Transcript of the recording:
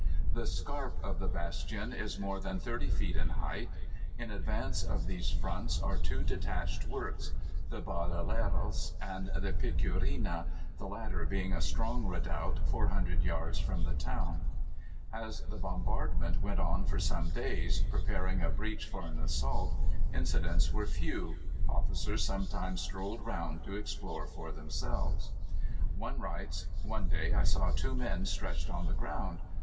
The scarp of the bastions is more than 30 feet in height. In advance of these fronts are two detached works, the Bardeleras and the Picurina, the latter being a strong redoubt 400 yards from the town. As the bombardment went on for some days, preparing a breach for an assault, incidents were few; officers sometimes strolled round to explore for themselves. One writes: "One day I saw two men stretched on the ground.